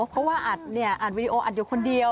เพราะว่าอัดเนี่ยอัดวีดีโออัดอยู่คนเดียว